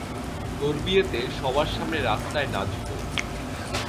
তোর বিয়েতে, সবার সামনে রাস্তায় নাচবো।